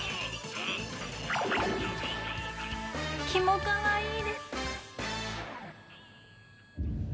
きもかわいいです！